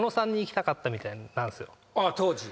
当時？